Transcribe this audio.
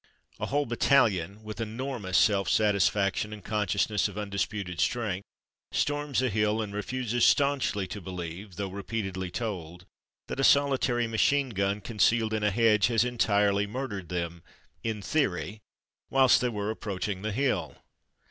"" A whole battalion, with enormous self satisfaction and consciousness of undisputed strength, storms a hill and refuses staunchly to believe (though repeatedly told) that a solitary machine gun concealed in a hedge has entirely murdered them (in theory) whilst they were approaching the hill.